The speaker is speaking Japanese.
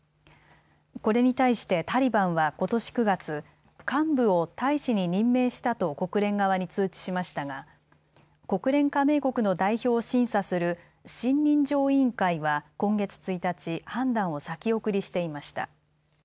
これに対してタリバンはことし９月、幹部を大使に任命したと国連側に通知しましたが国連加盟国の代表を審査する信任状委員会は今月１日、判断を先送りしていました。